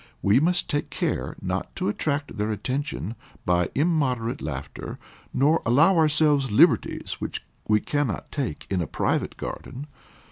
We must take care not to attract their attention by immoderate laughter, nor allow ourselves liberties which we cannot take in a private garden.